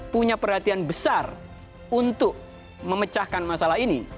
punya perhatian besar untuk memecahkan masalah ini